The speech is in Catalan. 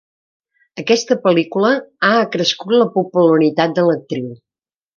Aquesta pel·lícula ha acrescut la popularitat de l'actriu.